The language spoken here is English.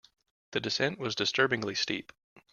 The descent was disturbingly steep.